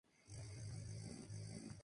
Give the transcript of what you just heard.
Eran vasallos del conde de Poitiers.